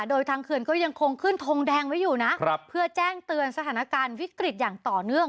โดยทางเขื่อนก็ยังคงขึ้นทงแดงไว้อยู่นะครับเพื่อแจ้งเตือนสถานการณ์วิกฤตอย่างต่อเนื่อง